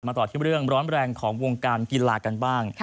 ต่อที่เรื่องร้อนแรงของวงการกีฬากันบ้าง